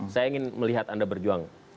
saya ingin melihat anda berjuang